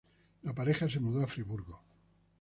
La pareja se mudó a Friburgo.